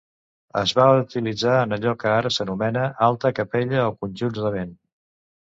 Es va utilitzar en allò que ara s'anomena alta cappella o conjunts de vent.